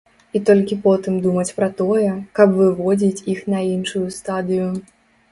І толькі потым думаць пра тое, каб выводзіць іх на іншую стадыю.